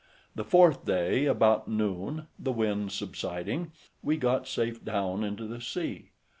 The fourth day about noon, the wind subsiding, we got safe down into the sea.